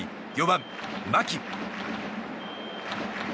４番、牧。